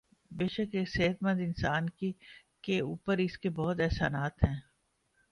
بیشک ایک صحت مند اانسان کے اوپر اسکے بہت احسانات ہیں